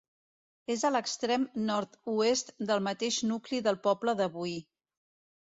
És a l'extrem nord-oest del mateix nucli del poble de Boí.